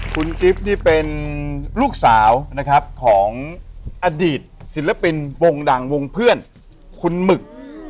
คุณกิฟต์นี่เป็นลูกสาวนะครับของอดีตศิลปินวงดังวงเพื่อนคุณหมึก